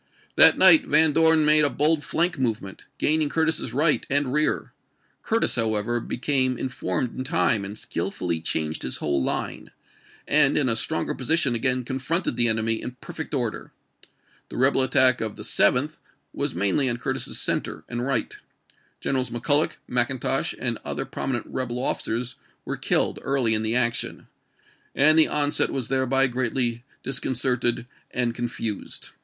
That night Van Dorn made a bold flank movement, gaining Curtis's right and rear. Curtis, however, became informed in time, and skillfully changed his whole line, and in a stronger position again confronted the enemy in perfect order. The rebel attack of the 7th was mainly on Curtis's center and right. Generals Mc Culloch, Mcintosh, and other prominent rebel officers were killed early in the action, and the on set was thereby greatly disconcerted and confused.